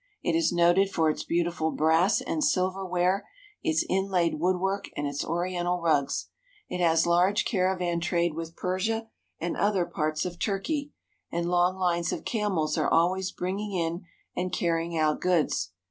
It is noted for its beautiful brass and silver ware, its inlaid woodwork, and its oriental rugs. It has large caravan trade with Persia and other parts of Turkey, and long lines of camels are always bringing in and carry ing out goods.